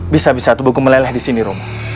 bisa bisa tubuhku meleleh di sini romo